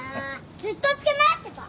ずっとつけ回してた！